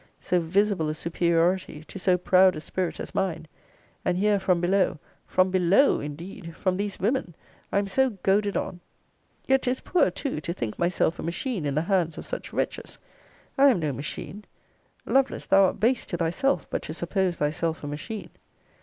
So visible a superiority, to so proud a spirit as mine! And here from below, from BELOW indeed! from these women! I am so goaded on Yet 'tis poor too, to think myself a machine in the hands of such wretches. I am no machine. Lovelace, thou art base to thyself, but to suppose thyself a machine.